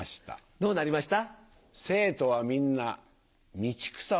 どうなりました？